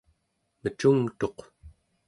mecungtuq